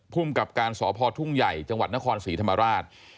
ภูมิกับการสพทุ่งใหญ่จังหวัดนครศรีธรรมราช